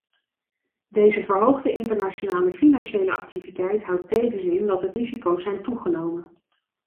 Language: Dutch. Deze verhoogde internationale financiële activiteit houdt tevens in dat de risico's zijn toegenomen.